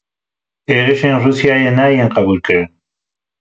Êrişên Rûsyayê nayên qebûlkirin.